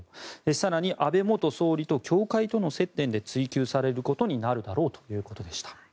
更に、安倍元総理と教会との接点で追及されることになるだろうということでした。